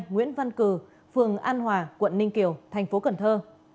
nguyễn văn cử phường an hòa quận ninh kiều thành phố cần thơ